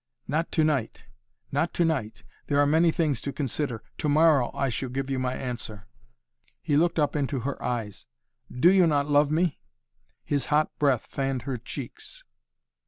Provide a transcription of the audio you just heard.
"Not to night! Not to night! There are many things to consider. To morrow I shall give you my answer." He looked up into her eyes. "Do you not love me?" His hot breath fanned her cheeks.